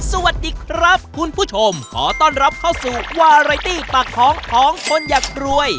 สวัสดีครับคุณผู้ชมขอต้อนรับเข้าสู่วาไรตี้ปากท้องของคนอยากรวย